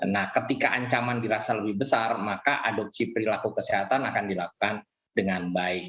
nah ketika ancaman dirasa lebih besar maka adopsi perilaku kesehatan akan dilakukan dengan baik